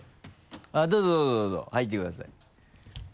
あっどうぞどうぞ入ってください。